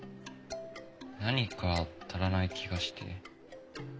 何か足らない気がして。